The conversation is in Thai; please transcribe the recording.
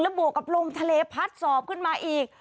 บวกกับลมทะเลพัดสอบขึ้นมาอีก